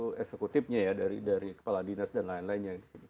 itu eksekutifnya ya dari kepala dinas dan lain lainnya